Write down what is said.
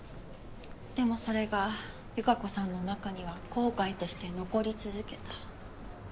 でもそれが由香子さんの中には後悔として残り続けた。